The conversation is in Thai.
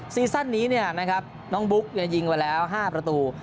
ซีซั่นนี้นะครับน้องบุ๊กยิงไปแล้ว๕ประตู